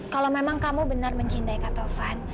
kalau memang kamu benar mencintai kak tovan